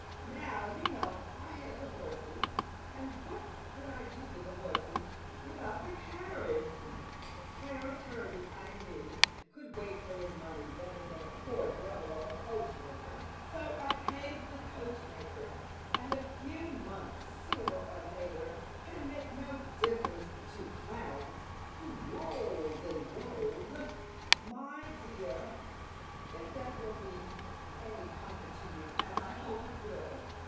Now you know I had the horses, and what could I do with the horses without the carriage? Clarence Hervey, I knew, could wait for his money better than a poor devil of a coachmaker; so I paid the coachmaker, and a few months sooner or later can make no difference to Clarence, who rolls in gold, my dear if that will be any comfort to you, as I hope it will."